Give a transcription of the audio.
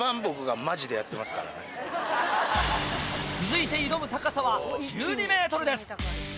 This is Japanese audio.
続いて挑む高さは１２ｍです。